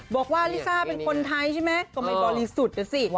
บอกว่าลิซ่าเป็นคนไทยใช่ไหมก็ไม่บริสุทธิ์นะสิ